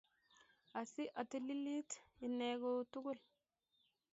Asi atililit inne ko tugul